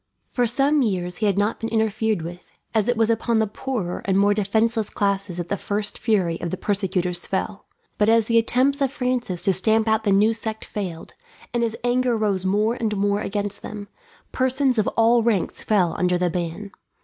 For some years he had not been interfered with, as it was upon the poorer and more defenceless classes that the first fury of the persecutors fell; but as the attempts of Francis to stamp out the new sect failed, and his anger rose more and more against them, persons of all ranks fell under the ban.